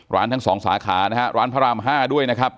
ทั้ง๒สาขานะฮะร้านพระราม๕ด้วยนะครับ